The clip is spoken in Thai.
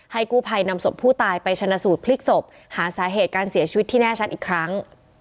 กู้ภัยนำศพผู้ตายไปชนะสูตรพลิกศพหาสาเหตุการเสียชีวิตที่แน่ชัดอีกครั้ง